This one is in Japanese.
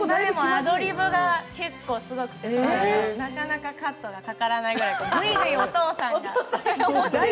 アドリブが結構すごくてなかなかカットがかからないぐらい、ぐいぐいお父さんが。